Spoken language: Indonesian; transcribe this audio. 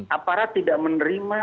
aparat tidak menerima